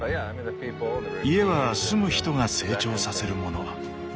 家は住む人が成長させるもの。